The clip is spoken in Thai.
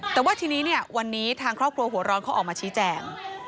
แต่ว่าทีนี้เนี่ยวันนี้ทางครอบครัวหัวร้อนเขาออกมาชี้แจง